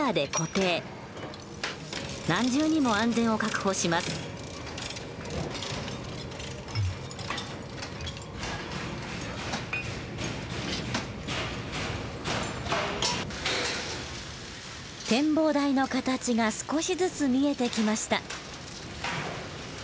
展望台の形が少しずつ見えてきました。